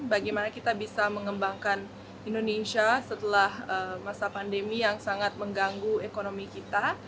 bagaimana kita bisa mengembangkan indonesia setelah masa pandemi yang sangat mengganggu ekonomi kita